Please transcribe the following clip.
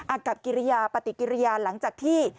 กับกิริยาปฏิกิริยาหลังจากที่